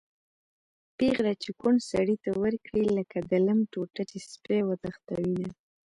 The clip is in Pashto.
پېغله چې کونډ سړي ته ورکړي-لکه د لم ټوټه چې سپی وتښتوېنه